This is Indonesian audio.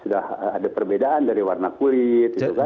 sudah sudah ada perbedaan dari warna kulit gitu kan